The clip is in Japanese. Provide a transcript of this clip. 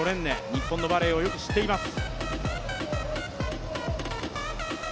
日本のバレーをよく知っています。